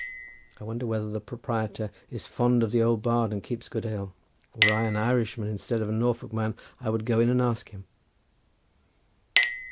I wonder whether the proprietor is fond of the old bard and keeps good ale. Were I an Irishman instead of a Norfolk man I would go in and ask him."